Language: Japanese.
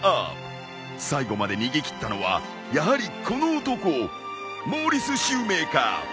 最後まで逃げ切ったのはやはりこの男モーリスシューメーカー。